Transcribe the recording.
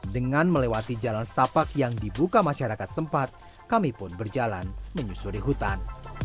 dengan melewati jalan setapak yang dibuka masyarakat tempat kami pun berjalan menyusuri hutan